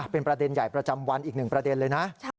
เป็นประเด็นใหญ่ประจำวันอีกหนึ่งประเด็นเลยนะ